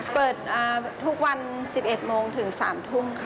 เปิดทุกวัน๑๑โมงถึง๓ทุ่มค่ะ